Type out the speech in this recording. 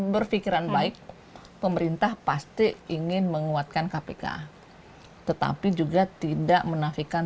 berpikiran baik pemerintah pasti ingin menguatkan kpk tetapi juga tidak menafikan